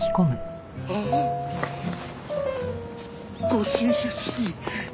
ご親切に。